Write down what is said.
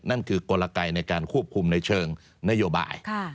นั่นคือกลไกในการควบคุมในเชิงนโยบาย